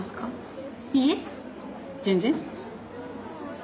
いいえ全然。